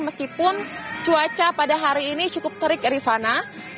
meskipun cuaca pada hari ini cukup terik rifana